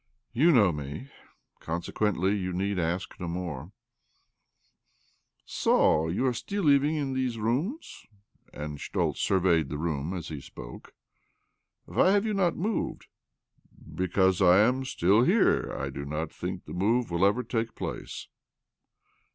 "You know me. Consequently you need ask no more," " So you are still living in these rooms ?" Arid Schtoltz surveyed the room as he spoke, " Why have you not moved? "" Because I am still here. I do not think the move will ever take place."